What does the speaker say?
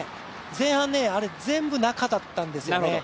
前半、あれが全部中だったんですよね。